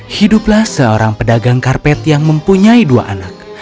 hiduplah seorang pedagang karpet yang mempunyai dua anak